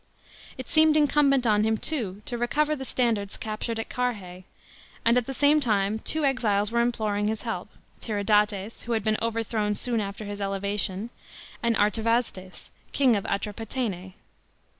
It seemed incumbent on him, too, to recover the standards captured at Carrhse ; and at the same time two exiles were imploring his help, Tiridates, who had been over thrown soon after his elevation,f and Artavasdes, king of Atro patene.